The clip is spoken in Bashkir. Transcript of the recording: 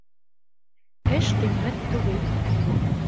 Эш ҡиммәт түгел